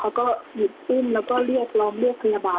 เขาก็หยุดอุ้มแล้วก็เรียกร้องเรียกพยาบาล